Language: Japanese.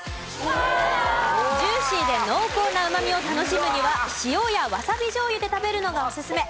ジューシーで濃厚なうまみを楽しむには塩やわさび醤油で食べるのがオススメ。